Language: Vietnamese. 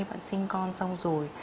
bạn sinh con xong rồi